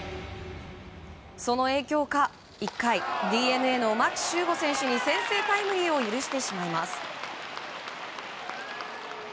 その影響か１回、ＤｅＮＡの牧秀悟選手に先制タイムリーを許してしまいます。